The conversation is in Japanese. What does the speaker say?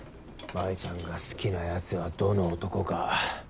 マイちゃんが好きなやつはどの男か？